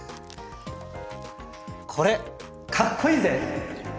「これ、かっこイイぜ！」。